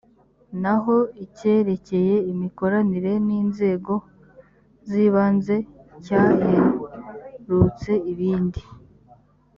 naho icyerekeye imikoranire n’inzego z’ibanze cyaherutse ibindi